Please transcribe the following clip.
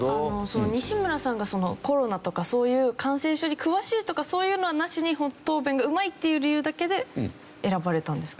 西村さんがコロナとかそういう感染症に詳しいとかそういうのはなしにホント答弁がうまいっていう理由だけで選ばれたんですか？